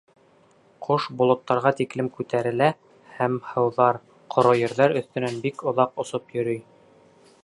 Ҡош болоттарға тиклем күтәрелә һәм һыуҙар, ҡоро ерҙәр өҫтөнән бик оҙаҡ осоп йөрөй.